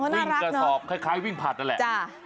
วิ่งกระสอบคล้ายวิ่งผัดนั่นแหละ